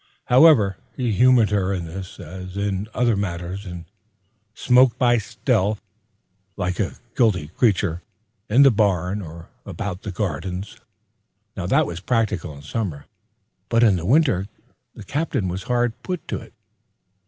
However, he humored her in this as in other matters, and smoked by stealth, like a guilty creature, in the barn, or about the gardens. That was practicable in summer, but in winter the Captain was hard put to it.